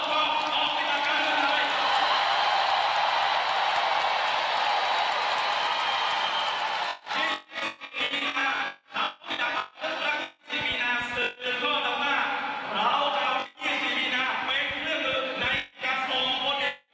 แต่ว่าที่สำคัญที่สุดมันมีการใช้อันลากลบบังบนไม้ของหัวหน้าพศใช้แล้วไม่อยู่เห็นไปหมดตลอด๕ปี